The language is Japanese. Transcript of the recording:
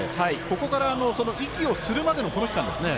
ここから息をするまでのこの期間ですね。